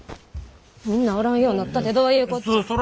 みんなおらんようになったてどういうこっちゃ。